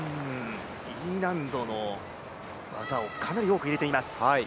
Ｅ難度の技をかなり多く入れています。